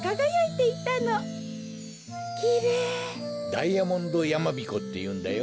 ダイヤモンドやまびこっていうんだよ。